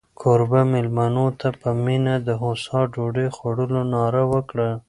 کوربه مېلمنو ته په مینه د هوسا ډوډۍ خوړلو ناره وکړه.